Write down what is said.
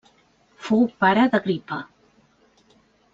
Fou pare d'Agripa.